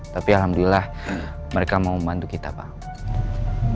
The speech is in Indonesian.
tapi alhamdulillah mereka mau membantu kita pak